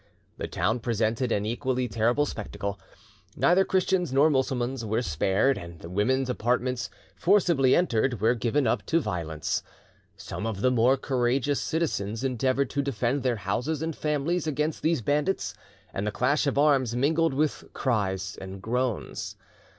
The town presented an equally terrible spectacle; neither Christians nor Mussulmans were spared, and the women's apartments, forcibly entered, were given up to violence. Some of the more courageous citizens endeavoured to defend their houses and families against these bandits, and the clash of arms mingled with cries and groans.